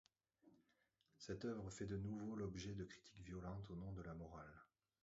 Cette œuvre fait de nouveau l'objet de critiques violentes au nom de la morale.